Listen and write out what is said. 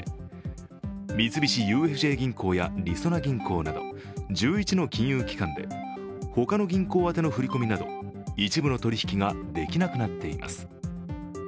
三菱ＵＦＪ銀行やりそな銀行など１１の金融機関でほかの銀行宛の振込など、一部の取り引きができなくなっています。